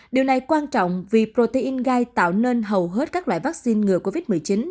điều này quan trọng vì protein gai tạo nên hầu hết các loại vaccine ngừa covid một mươi chín